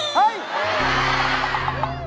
เฮ่ย